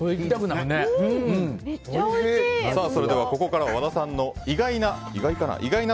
それではここからは和田さんの意外かな？